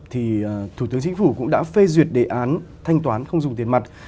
thì thủ tướng chính phủ cũng đã phê duyệt đề án thanh toán không sử dụng tiền mặt